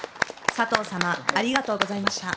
佐藤様ありがとうございました。